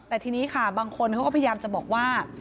แต่ทีนี้ค่ะบางคนเขาก็พยายามจะบอกว่า